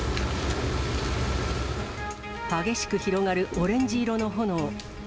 激しく広がるオレンジ色の炎。